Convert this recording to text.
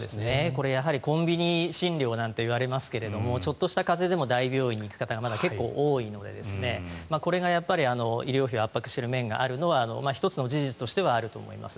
これはコンビニ診療なんていわれますがちょっとした風邪でも大病院に行く方がまだ結構多いのでこれが医療費を圧迫している面があるのは１つの事実としてはあると思います。